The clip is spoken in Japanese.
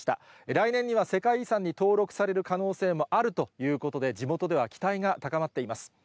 来年には世界遺産に登録される可能性もあるということで、地元では期待が高まっています。